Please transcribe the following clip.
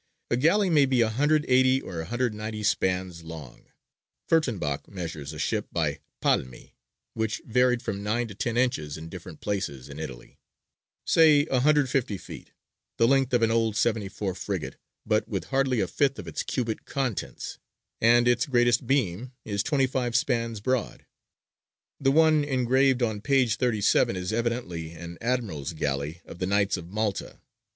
A galley may be 180 or 190 spans long Furttenbach measures a ship by palmi, which varied from nine to ten inches in different places in Italy, say 150 feet, the length of an old seventy four frigate, but with hardly a fifth of its cubit contents and its greatest beam is 25 spans broad. The one engraved on p. 37 is evidently an admiral's galley of the Knights of Malta.